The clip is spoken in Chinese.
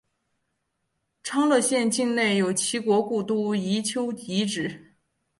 昌乐县境内有齐国故都营丘遗址。